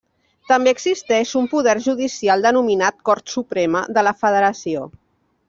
També existeix un poder judicial denominat Cort Suprema de la Federació.